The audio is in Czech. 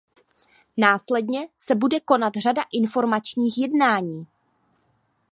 Následně se bude konat řada informačních jednání.